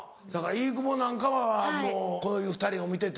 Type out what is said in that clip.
飯窪なんかはもうこういう２人を見てて。